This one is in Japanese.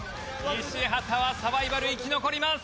西畑はサバイバル生き残ります！